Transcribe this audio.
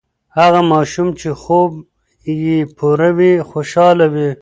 هغه ماشوم چې خوب یې پوره وي، خوشاله وي.